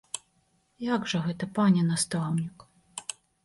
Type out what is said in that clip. Як жа гэта, пане настаўнік?